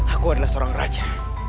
aku adalah seorang raja